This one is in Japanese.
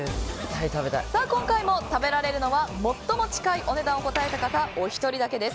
今回も食べられるのは最も近いお値段を答えた方お一人だけです。